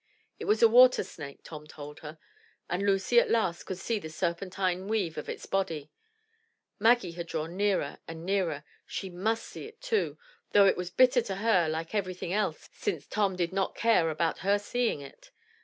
It was a water snake, Tom told her; and Lucy at last could see the serpentine wave of its body. Maggie had drawn nearer and nearer; she must see it too, though it was bitter to her like everything else since Tom did not care about her seeing it.